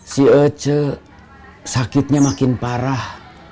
si aceh sakitnya makin parah